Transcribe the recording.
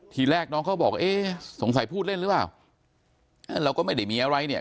ทีแรกน้องเขาบอกเอ๊ะสงสัยพูดเล่นหรือเปล่าเราก็ไม่ได้มีอะไรเนี่ย